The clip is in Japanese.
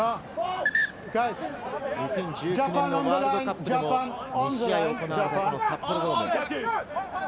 ２０１９年のワールドカップでも２試合行われた札幌ドーム。